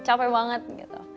capek banget gitu